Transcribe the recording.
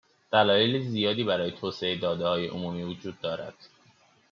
دلایل زیادی برای توسعه دادههای عمومی وجود دارد